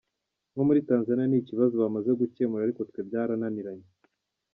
Nko muri Tanzania ni ikibazo bamaze gukemura ariko twe byarananiranye.